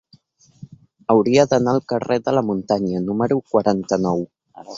Hauria d'anar al carrer de la Muntanya número quaranta-nou.